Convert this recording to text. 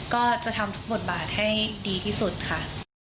ก็จะทำทุกบทบาทให้ดีที่สุดค่ะ